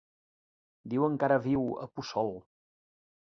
Diuen que ara viu a Puçol.